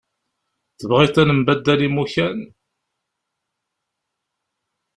Tebɣiḍ ad nembaddal imukan?